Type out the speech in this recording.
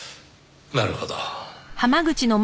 なるほど。